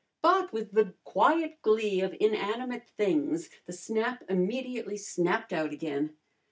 But with the quiet glee of inanimate things the snap immediately snapped out again.